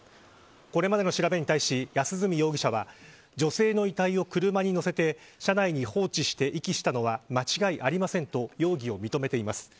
これまでの調べに対し安栖容疑者は女性の遺体を車に乗せて車内に放置して遺棄したのは間違いありませんと容疑を認めています。